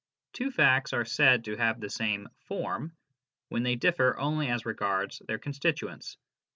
Two facts are said to have the same " form " when they differ only as regards their constituents.